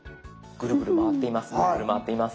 ぐるぐる回っています。